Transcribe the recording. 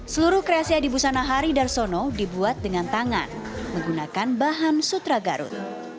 seluruh kreasi adi busana hari darsono dibuat dengan tangan menggunakan bahan sutra garut